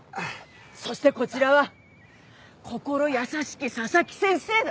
そしてこちらは心優しき佐々木先生だ。